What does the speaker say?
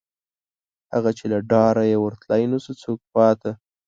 هغه، چې له ډاره یې ورتلی نشو څوک خواته